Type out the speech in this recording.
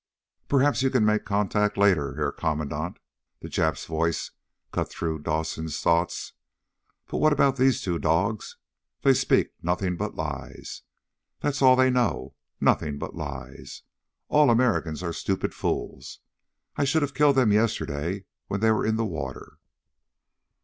"Perhaps you can make the contact later, Herr Kommandant," the Jap's voice cut through Dawson's thoughts. "But what about these two dogs. They speak nothing but lies. That's all they know. Nothing but lies. All Americans are stupid fools. I should have killed them yesterday when they were in the water."